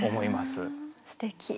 すてき。